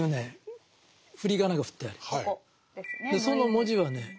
その文字はね